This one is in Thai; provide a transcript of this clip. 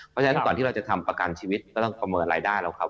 เพราะฉะนั้นก่อนที่เราจะทำประกันชีวิตก็ต้องประเมินรายได้แล้วครับ